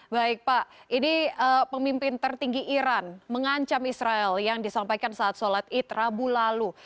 baik pak ini pemimpin tertinggi iran mengancam israel yang disampaikan saat sholat id rabu lalu